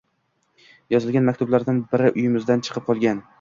yozilgan maktublardan biri uyimizdan chiqib qolgan.